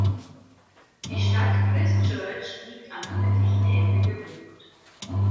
Die Stadt Christchurch liegt am südlichen Ende der Bucht.